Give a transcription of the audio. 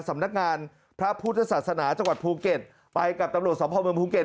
สำนักงานพระพุทธศาสนาจังหวัดภูเก็ตไปกับตำรวจสมภาพเมืองภูเก็ต